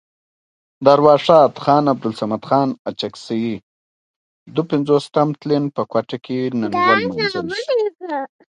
سېد جلال امیر په لور واښه او ټانټې ورېبلې